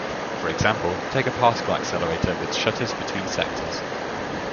For example, take a particle accelerator with shutters between sectors.